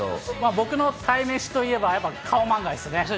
僕の鯛めしといえば、やっぱカオマンガイですね。